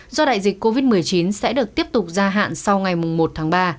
do đại dịch covid một mươi chín sẽ được tiếp tục gia hạn sau ngày một tháng ba